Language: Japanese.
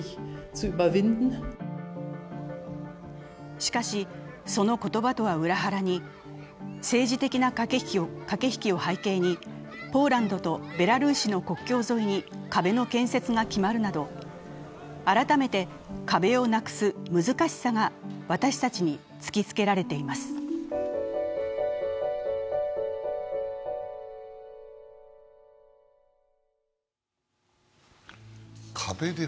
しかし、その言葉とは裏腹に政治的な駆け引きを背景にポーランドとベラルーシの国境沿いに壁の建設が決まるなど改めて壁をなくす難しさが私たちに突きつけられています。